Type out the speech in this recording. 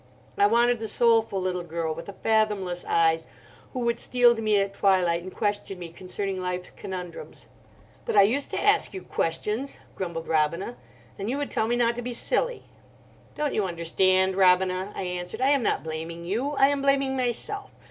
I wanted the soulful little girl with the fathomless eyes, who would steal to me at twilight and question me concerning life's conundrums. "But I used to ask you questions," grumbled Robina, "and you would tell me not to be silly." "Don't you understand, Robina?" I answered. "I am not blaming you, I am blaming myself.